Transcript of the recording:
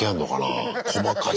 細かい。